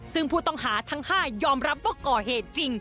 ซึ่งผู้ต้องหาทั้ง๕ยอมรับว่าก่อเหตุจริง